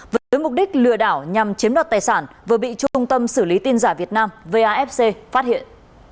với mục đích lừa đảo nhằm chiếm đoạt tài sản vừa bị trung tâm xử lý tin giả việt nam vafc phát hiện